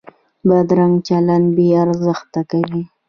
بدرنګه چلند بې ارزښته کوي